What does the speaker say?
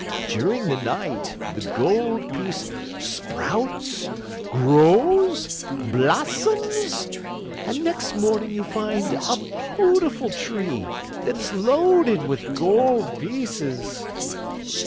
During the night, the gold piece sprouts, grows, blossoms, and next morning you find a beautiful tree, that is loaded with gold pieces."